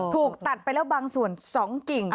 ถูกตัดไปแล้วบางส่วน๒กิ่ง